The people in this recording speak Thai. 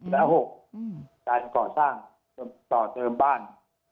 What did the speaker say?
และ๖การก่อสร้างต่อเติมบ้าน